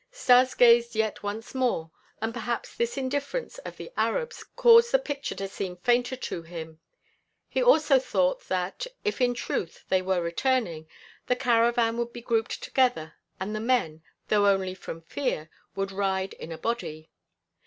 Stas gazed yet once more and perhaps this indifference of the Arabs caused the picture to seem fainter to him. He also thought that, if in truth they were returning, the caravan would be grouped together, and the men, though only from fear, would ride in a body.